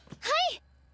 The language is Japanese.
はい！